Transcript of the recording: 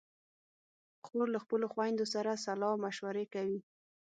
خور له خپلو خویندو سره سلا مشورې کوي.